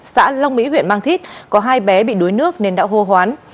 xã long mỹ huyện mang thít có hai bé bị đuối nước nên đã hô hoán